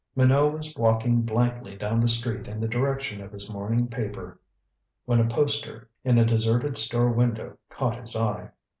Minot was walking blankly down the street in the direction of his morning paper when a poster in a deserted store window caught his eye.